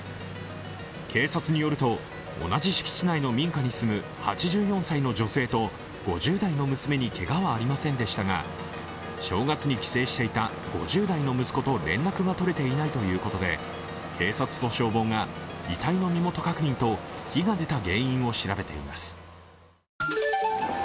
警察によると、同じ敷地内の民家に住む８４歳の女性と５０代の娘にけがはありませんでしたが正月に帰省していた５０代の息子と連絡が取れていないということで警察と消防が遺体の身元確認と火が出た原因を調べています。